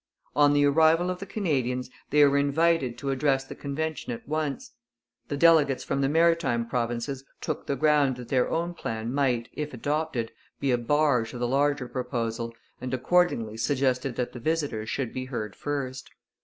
On the arrival of the Canadians they were invited to address the convention at once. The delegates from the Maritime Provinces took the ground that their own plan might, if adopted, be a bar to the larger proposal, and accordingly suggested that the visitors should be heard first.